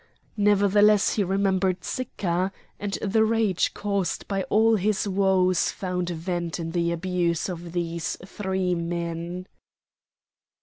Nevertheless he remembered Sicca, and the rage caused by all his woes found vent in the abuse of these three men.